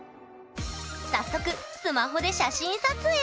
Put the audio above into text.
早速スマホで写真撮影。